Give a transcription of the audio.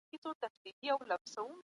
هغوی به تمرین کړی وي.